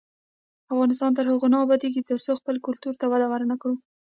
افغانستان تر هغو نه ابادیږي، ترڅو خپل کلتور ته وده ورنکړو.